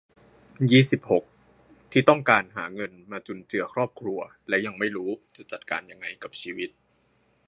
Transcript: ยี่สิบหก ที่ต้องหาเงินมาจุนเจือครอบครัวและยังไม่รู้จะจัดการอย่างไรกับชีวิต